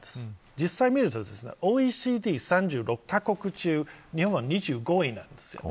実際に見るとＯＥＣＤ３６カ国中日本は２５位なんですよね。